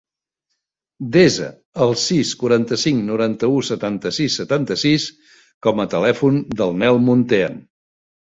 Desa el sis, quaranta-cinc, noranta-u, setanta-sis, setanta-sis com a telèfon del Nel Muntean.